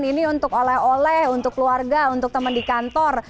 ini untuk oleh oleh untuk keluarga untuk teman di kantor